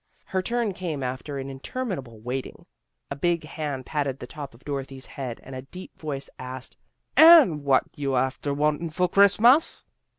Her turn came after an interminable waiting. A big hand patted the top of Dorothy's head and a deep voice asked, " An' what are you afther wantin' for Christmas?